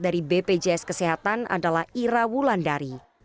dari bpjs kesehatan adalah ira wulandari